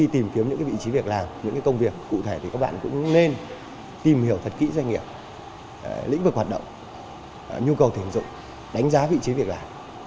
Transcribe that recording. tìm hiểu thật kỹ doanh nghiệp lĩnh vực hoạt động nhu cầu tiền dụng đánh giá vị trí việc làm